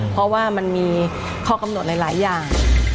เพราะว่ามันมีข้อกำหนดหลายอย่าง